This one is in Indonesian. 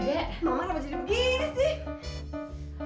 mama nggak mau jadi begini sih